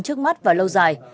trước mắt và lâu dài